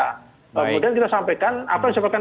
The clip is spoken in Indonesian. kemudian kita sampaikan apa yang disebutkan